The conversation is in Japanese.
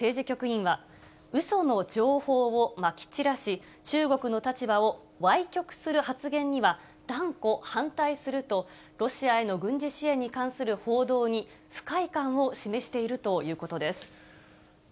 局員は、うその情報をまき散らし、中国の立場をわい曲する発言には、断固反対すると、ロシアへの軍事支援に関する報道に不快感を示しているということ